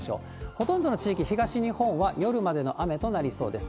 ほとんどの地域、東日本は夜までの雨となりそうです。